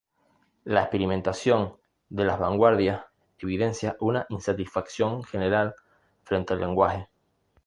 La experimentación de las vanguardias evidencia una insatisfacción general frente al lenguaje.